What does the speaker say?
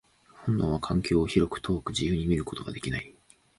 本能は環境を広く、遠く、自由に見ることができない。